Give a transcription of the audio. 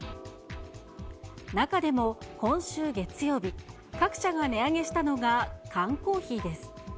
中でも、今週月曜日、各社が値上げしたのが缶コーヒーです。